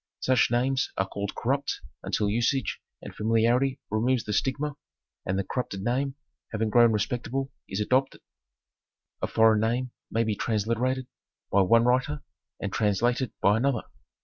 Such names are called corrupt until usage and familiarity removes the stigma and the corrupted name having grown respectable is adopted. Geographic Nomenclature. 273 A foreign name may be transliterated by one writer and trans lated by another.